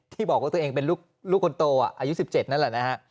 ที่บอกว่าตัวเองเป็นลูกคนโตอายุ๑๗นั่นแหละนะฮะ